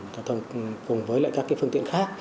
cùng với các phương tiện khác